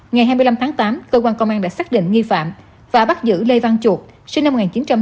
ngày hai mươi năm tháng tám cơ quan công an đã xác định nghi phạm và bắt giữ lê văn chuột sinh năm một nghìn chín trăm tám mươi